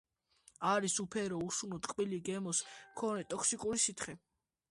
არის უფერო, უსუნო, ტკბილი გემოს მქონე ტოქსიკური სითხე.